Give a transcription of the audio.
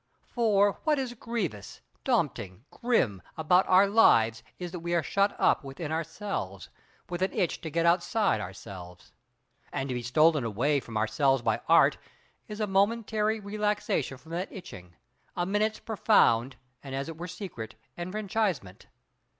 For, what is grievous, dompting, grim, about our lives is that we are shut up within ourselves, with an itch to get outside ourselves. And to be stolen away from ourselves by Art is a momentary relaxation from that itching, a minute's profound, and as it were secret, enfranchisement.